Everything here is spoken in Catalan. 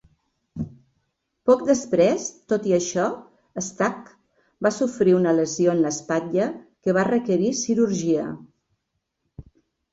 Poc després, tot i això, Stack va sofrir una lesió en l'espatlla que va requerir cirurgia.